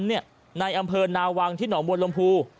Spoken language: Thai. ในอำเภอนาวังที่หนองบัวลมภู